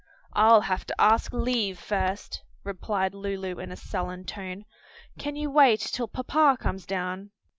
"I'll have to ask leave first," replied Lulu in a sullen tone. "Can you wait till papa comes down?"